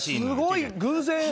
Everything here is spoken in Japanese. すごい偶然。